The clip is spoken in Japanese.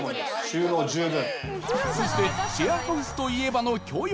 収納十分。